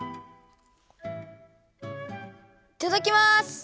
いただきます！